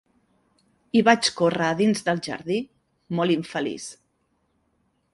I vaig córrer a dins del jardí, molt infeliç.